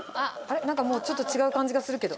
なんかもう、ちょっと違う感じがするけど。